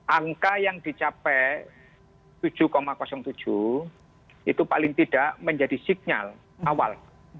angka yang dicapai tujuh tujuh itu paling tidak menjadi signal awal